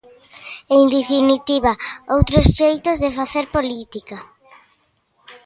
En definitiva, outros xeitos de facer política.